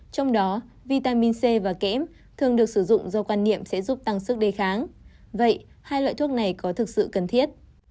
trong đó vitamin c và kẽm thường được sử dụng do quan niệm sẽ giúp tăng sức đề kháng vậy hai loại thuốc này có thực sự cần thiết